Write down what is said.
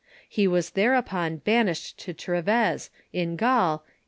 He was thereupon ban ished to Treves, in Gaul, a.